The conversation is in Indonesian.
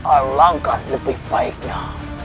alangkah lebih baiknya